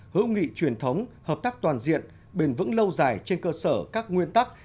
hữu nghị truyền thống hợp tác toàn diện bền vững lâu dài trên cơ sở các nguyên tắc